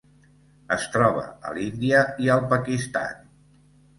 Es troba a l'Índia i al Pakistan.